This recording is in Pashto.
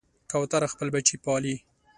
کوتره خپل بچي پالي.